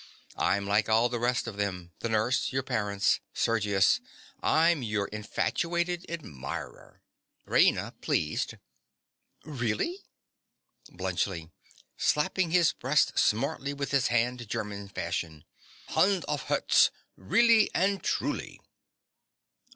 I'm like all the rest of them—the nurse—your parents—Sergius: I'm your infatuated admirer. RAINA. (pleased). Really? BLUNTSCHLI. (slapping his breast smartly with his hand, German fashion). Hand aufs Herz! Really and truly.